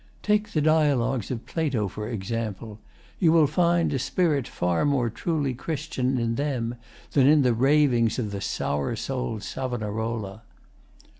] Take the Dialogues Of Plato, for example. You will find A spirit far more truly Christian In them than in the ravings of the sour soul'd Savonarola.